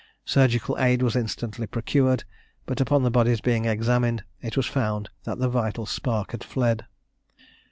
Surgical aid was instantly procured; but upon the bodies being examined, it was found that the vital spark had fled.